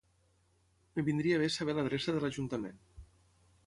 Em vindria bé saber l'adreça de l'Ajuntament.